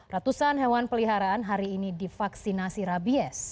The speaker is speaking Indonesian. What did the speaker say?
ratusan hewan peliharaan hari ini divaksinasi rabies